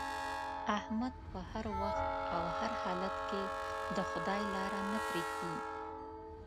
احمد په هر وخت او هر حالت کې د خدای لاره نه پرېږدي.